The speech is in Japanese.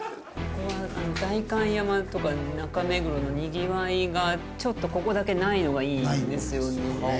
代官山とか中目黒のにぎわいがちょっとここだけないのがいいですよね。